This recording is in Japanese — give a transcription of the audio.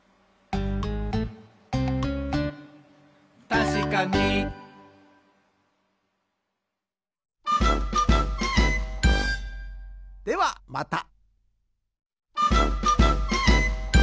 「たしかに！」ではまた！